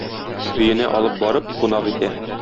Өенә алып барып, кунак итә.